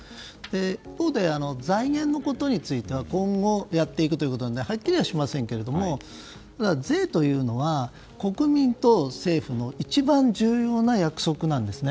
一方で財源のことについては今後、やっていくということではっきりはしませんけれども税というのは、国民と政府の一番重要な約束なんですね。